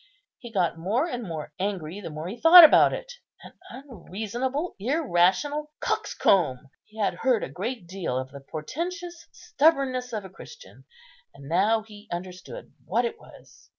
He got more and more angry the more he thought about it. An unreasonable, irrational coxcomb! He had heard a great deal of the portentous stubbornness of a Christian, and now he understood what it was.